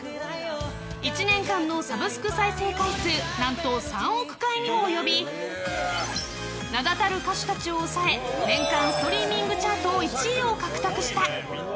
１年間のサブスク再生回数何と３億回にも及び名だたる歌手たちを抑え年間ストリーミングチャート１位を獲得した！